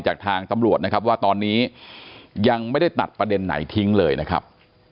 จากทางตำรวจนะครับว่าตอนนี้ยังไม่ได้ตัดประเด็นไหนทิ้งเลยนะครับ